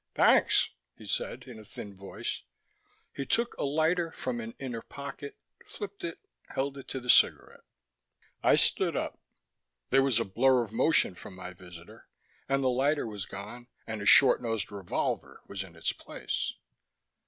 "Thanks," he said, in a thin voice. He took a lighter from an inner pocket, flipped it, held it to the cigarette. I stood up. There was a blur of motion from my visitor, and the lighter was gone and a short nosed revolver was in its place.